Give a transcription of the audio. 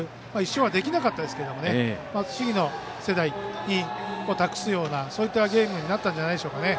１勝はできなかったですけど次の世代に託すようなそういったゲームになったんじゃないでしょうか。